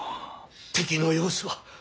敵の様子は。